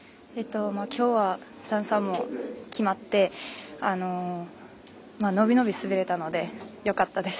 きょうは３、３も決まって伸び伸び滑れたのでよかったです。